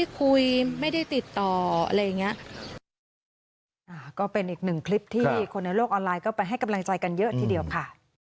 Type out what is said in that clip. คนในโลกออนไลน์ก็ไปให้กำลังใจกันเยอะทีเดียวค่ะ